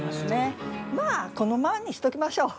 まあこのままにしときましょう。